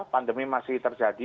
pandemi masih terjadi